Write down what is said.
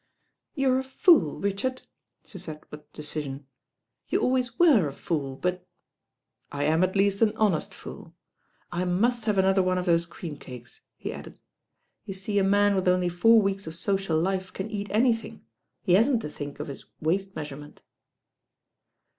"You're a fool, Richard," she said with decision. "You always were a fool; but ^" "I am at least an honest fool. I must have an other one of those cream cakes," he added. "You see a man with only four weeks of social life can eat anything. He hasn't to think of his waist meas urement."